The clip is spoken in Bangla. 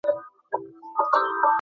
বাবা-- -তুমি কি মেয়েটার ছবি দেখতে চাও?